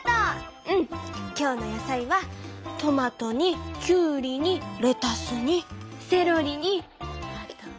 今日の野菜はトマトにきゅうりにレタスにセロリに。